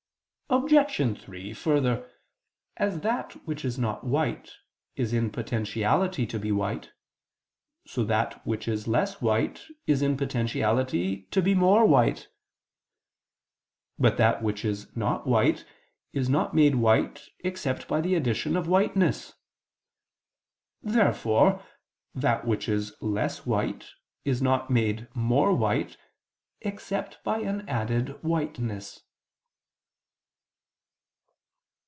Obj. 3: Further, as that which is not white, is in potentiality to be white: so that which is less white, is in potentiality to be more white. But that which is not white, is not made white except by the addition of whiteness. Therefore that which is less white, is not made more white, except by an added whiteness.